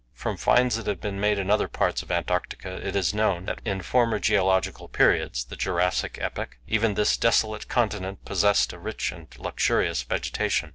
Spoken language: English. From finds that have been made in other parts of Antarctica it is known that in former geological periods the Jurassic epoch even this desolate continent possessed a rich and luxurious vegetation.